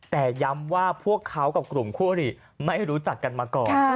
แต่ย้ำว่าพวกเขากับกลุ่มคู่อริไม่รู้จักกันมาก่อน